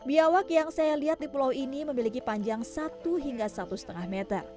biawak yang saya lihat di pulau ini memiliki panjang satu hingga satu lima meter